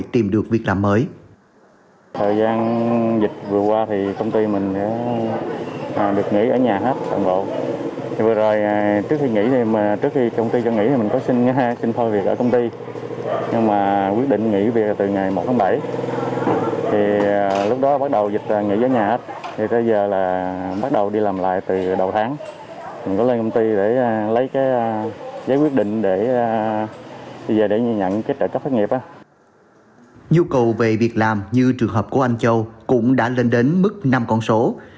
trường hợp của anh châu cũng đã lên đến mức năm con số